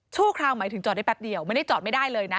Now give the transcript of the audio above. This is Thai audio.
คราวหมายถึงจอดได้แป๊บเดียวไม่ได้จอดไม่ได้เลยนะ